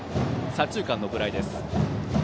左中間のフライです。